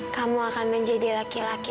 kamu akan menjadi laki laki